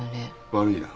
悪いな。